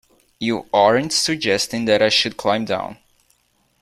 You aren't suggesting that I should climb down?